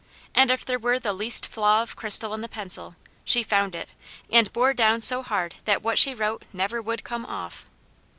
And if there were the least flaw of crystal in the pencil, she found it, and bore down so hard that what she wrote never would come off.